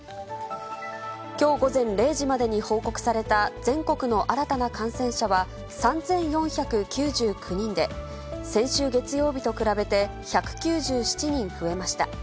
きょう午前０時までに報告された全国の新たな感染者は３４９９人で、先週月曜日と比べて、１９７人増えました。